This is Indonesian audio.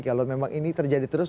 kalau memang ini terjadi terus